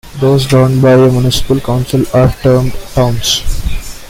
Those governed by a municipal council are termed towns.